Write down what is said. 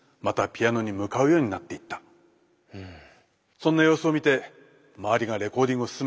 そんな様子を見て周りがレコーディングを勧めたんだ。